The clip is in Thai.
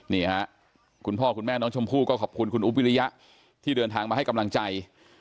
นี่ค่ะคุณพ่อคุณแม่น้องชมพู่ก็ขอบคุณคุณอุ๊บวิริยะที่เดินทางมาให้กำลังใจ